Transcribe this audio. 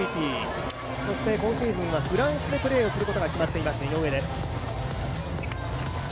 そして今シーズンはフランスでプレーすることが決まっています井上です。